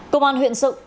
công an huyện sự